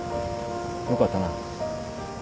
よかったな。